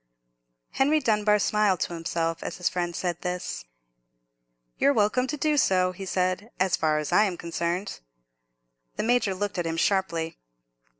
Henry Dunbar smiled to himself as his friend said this. "You're welcome to do so," he said, "as far as I am concerned." The Major looked at him sharply.